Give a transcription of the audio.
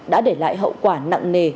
đã để lại hậu quả nặng nề